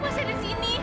tante kenapa aby